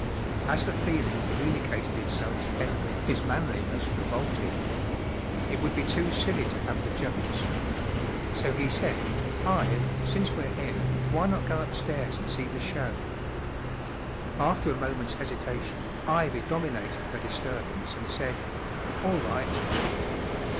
As the feeling communicated itself to Henry his man¬ liness revolted. It would be too silly to have the jumps. So he said: “ Ive, since we're here, why not go upstairs and see the show ? ” After a moment's hesitation, Ivy dominated her disturbance and said :" All right.